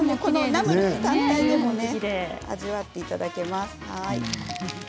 ナムル単体でも味わっていただけます。